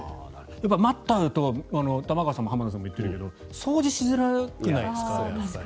やっぱりマットがあると玉川さんも浜田さんも言っていたけど掃除しづらくないですか？